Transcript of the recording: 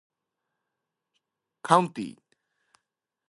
Wadesboro Township is in size and located in central Anson County.